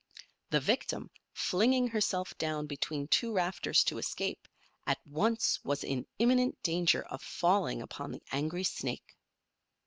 The victim, flinging herself down between two rafters to escape, at once was in imminent danger of falling upon the angry snake.